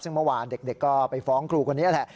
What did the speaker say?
ซึ่งเมื่อวานเด็กก็ไปฟ้องครูคนนี้แหละ